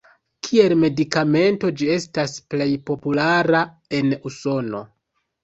Kiel medikamento ĝi estas plej populara en Usono.